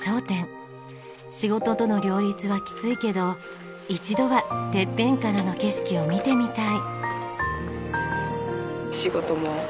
仕事との両立はきついけど一度はてっぺんからの景色を見てみたい。